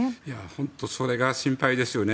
本当にそれが心配ですよね。